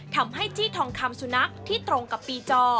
จี้ทองคำสุนัขที่ตรงกับปีจอ